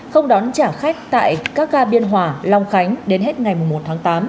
không đón trả khách tại các ga biên hòa long khánh đến hết ngày một tháng tám